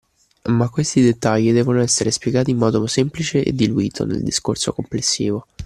Ma questi dettagli devono essere spiegati in modo semplice e diluito nel discorso complessivo.